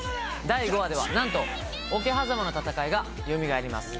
第５話ではなんと桶狭間の戦いがよみがえります。